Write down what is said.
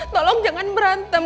tolong jangan berantem